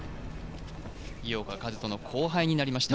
井岡一翔の後輩になりました